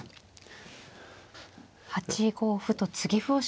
８五歩と継ぎ歩をしました。